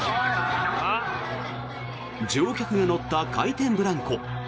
乗客が乗った回転ブランコ。